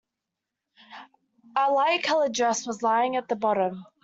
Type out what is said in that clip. A light-coloured dress was lying at the bottom.